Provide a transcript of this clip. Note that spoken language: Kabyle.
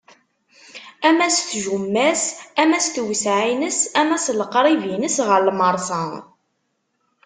Ama s tjumma-s, ama s tewseɛ-ines, ama s leqrib-ines ɣer lmersa.